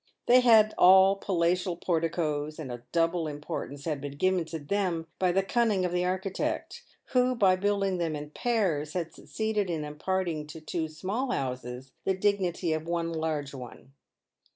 They had all palatial porticos, and a double importance had been given to them by the cunning of the architect, who, by building them in pairs, had succeeded in imparting to two small houses the dignity of one large one.